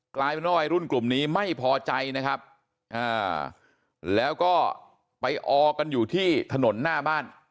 กลายเป็นว่าวัยรุ่นกลุ่มนี้ไม่พอใจนะครับแล้วก็ไปออกันอยู่ที่ถนนหน้าบ้าน